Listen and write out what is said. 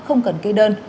không cần cây đơn